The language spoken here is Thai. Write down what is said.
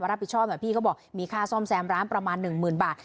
รับผิดชอบพี่เขาบอกมีค่าซ่อมแซมร้านประมาณหนึ่งหมื่นบาท